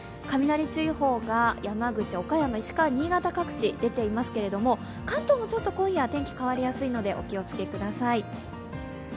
雷注意報が山口、岡山、石川、新潟各地出ていますけれども、関東もちょっと今夜、天気が変わりやすいのでお気をつけください。